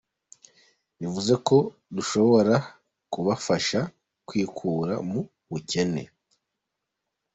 bivuze ko dushobora kubafasha kwikura mu bucyene".